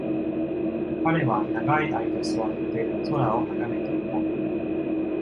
彼は長い間座って空を眺めていた。